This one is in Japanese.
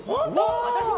私も？